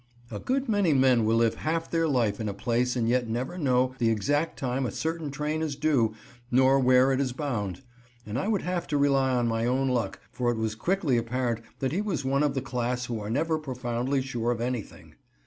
A good many men will live half their life in a place and yet never know the exact time a certain train is due, nor where it is bound, and I would have to rely on my own luck, for it was quickly apparent that he was one of the class who are never profoundly sure of anything.